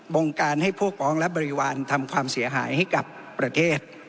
งการให้พวกฟ้องและบริวารทำความเสียหายให้กับประเทศ